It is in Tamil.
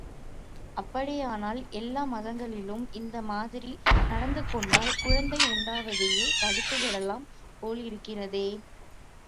அப்படியானால் எல்லா மாதங்களிலும் இந்த மாதிரி நடந்து கொண்டால் குழந்தை உண்டாவதையே தடுத்து விடலாம் போலிருக்கிறதே.